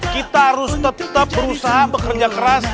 kita harus tetap berusaha bekerja keras